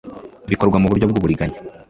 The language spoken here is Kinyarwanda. bikorwa mu buryo bw uburiganya